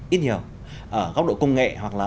ít nhiều ở góc độ công nghệ hoặc là